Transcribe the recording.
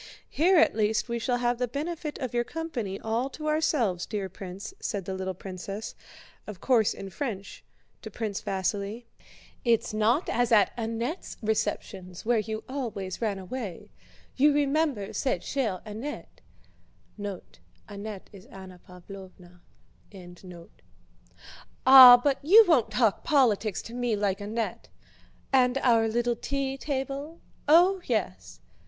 "Here at least we shall have the benefit of your company all to ourselves, dear prince," said the little princess (of course, in French) to Prince Vasíli. "It's not as at Annette's * receptions where you always ran away; you remember cette chère Annette!" * Anna Pávlovna. "Ah, but you won't talk politics to me like Annette!" "And our little tea table?" "Oh, yes!"